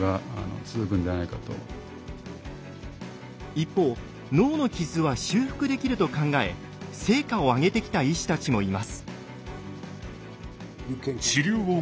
一方脳の傷は修復できると考え成果を上げてきた医師たちもいます。